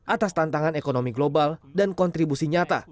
atas tantangan ekonomi global dan kontribusi nyata